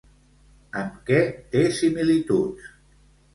Amb què té simil·lituds?